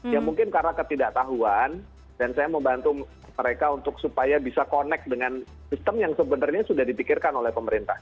ya mungkin karena ketidaktahuan dan saya mau bantu mereka untuk supaya bisa connect dengan sistem yang sebenarnya sudah di pikirkan oleh pemerintah yuk